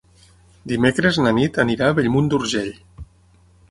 Dimecres na Nit anirà a Bellmunt d'Urgell.